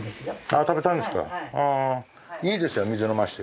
いいですよ水飲まして。